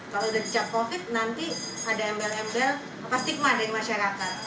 kalau sudah dicap covid nanti ada embel embel apa stigma dari masyarakat